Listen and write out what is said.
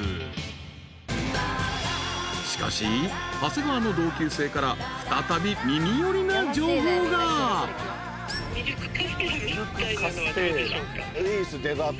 ［しかし長谷川の同級生から再び耳寄りな情報が］いいですよデザート。